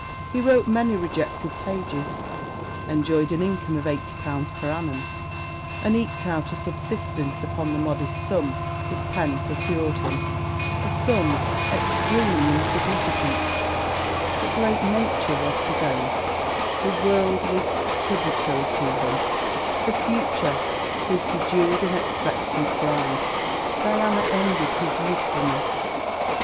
He wrote many rejected pages, enjoyed an income of eighty pounds per annum, and eked out a subsistence upon the modest sum his pen procured him; a sum extremely insignificant; but great Nature was his own, the world was tributary to him, the future his bejewelled and expectant bride. Diana envied his youthfulness.